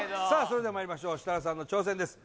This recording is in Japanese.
それではまいりましょう設楽さんの挑戦です